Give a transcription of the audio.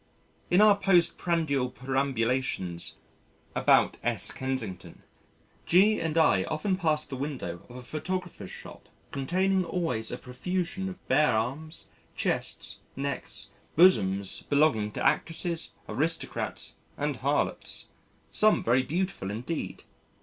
In our post prandial perambulations about S. Kensington G and I often pass the window of a photographer's shop containing always a profusion of bare arms, chests, necks, bosoms belonging to actresses, aristocrats and harlots some very beautiful indeed.